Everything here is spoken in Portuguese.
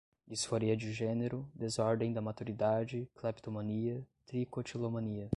disforia de gênero, desordem da maturidade, cleptomania, tricotilomania